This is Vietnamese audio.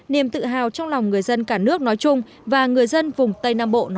niềm tự hào trong lòng người dân cả nước nói chung và người dân vùng tây nam bộ